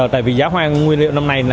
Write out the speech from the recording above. tại vì giá hoa ngu liệu năm nay